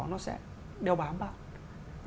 nó sẽ đeo bám vào